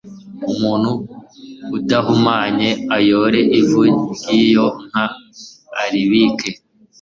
umuntu udahumanye ayore ivu ry iyo nka aribike